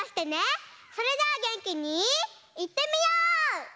それじゃあげんきにいってみよう！